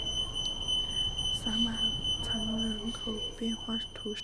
萨马藏人口变化图示